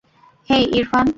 হেই, Irfan.